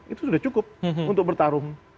itu sudah cukup untuk bertarung